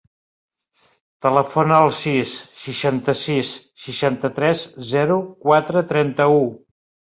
Telefona al sis, seixanta-sis, seixanta-tres, zero, quatre, trenta-u.